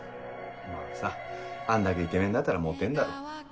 まぁさあんだけイケメンだったらモテんだろ。